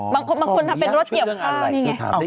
บางคนทำเป็นรถเหยียบค่านี่ไง